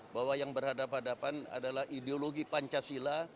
bahwa yang berhadapan hadapan adalah ideologi pancasila